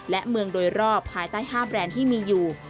และเมืองโดยรอบภายใต้๕แบรนด์ที่มีอยู่